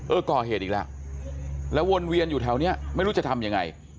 ก่อเหตุอีกแล้วแล้ววนเวียนอยู่แถวนี้ไม่รู้จะทำยังไง